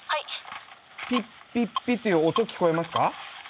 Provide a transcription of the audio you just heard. ピッピッピッという音聞こえますか？